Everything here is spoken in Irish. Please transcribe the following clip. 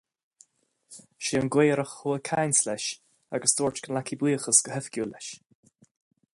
Is é an Gaorach a chuaigh ag caint leis agus dúirt go nglacfaí buíochas go hoifigiúil leis.